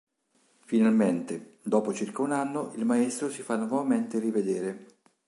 Finalmente, dopo circa un anno, il maestro si fa nuovamente rivedere.